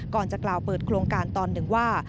ก่อนจะกล่าวเปิดโครงการตอนหนึ่งว่า